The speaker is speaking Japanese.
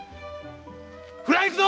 フライいくぞ！